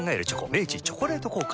明治「チョコレート効果」